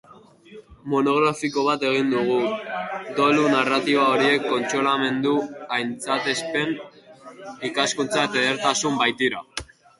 Monografiko bat egin dugu, dolu-narratiba horiek kontsolamendu, aintzatespen, ikaskuntza eta edertasun baitira.